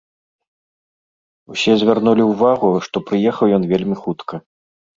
Усе звярнулі ўвагу, што прыехаў ён вельмі хутка.